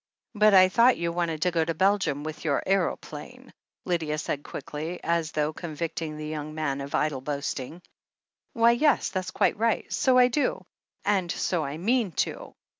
"But I thought you wanted to go to Belgium with your aeroplane/' Lydia said quickly, as though con victing the young man of idle boasting. "Why, yes, that's quite right. So I do, and so I mean to.